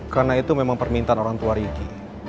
karena itu pemintan orangtua ricky